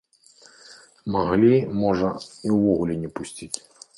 Маглі, можа, і ўвогуле не пусціць!